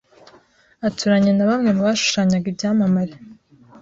aturanye na bamwe mu bashushanyaga ibyamamare